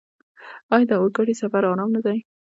آیا د اورګاډي سفر ارام نه دی؟